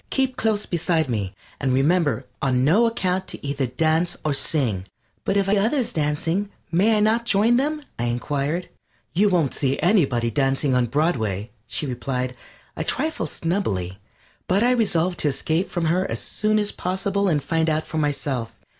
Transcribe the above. Keep close beside me, and remember on no account to either dance or sing." "But if I see others dancing may I not join them?" I inquired. "You won't see anybody dancing on Broadway," she replied, a trifle snubbily, but I resolved to escape from her as soon as possible and find out for myself.